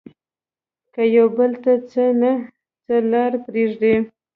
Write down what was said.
که يو بل ته څه نه څه لار پرېږدي